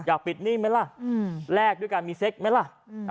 อยากปิดหนี้ไหมล่ะแลกด้วยการมีเซ็กไหมล่ะ